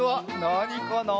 なにかな？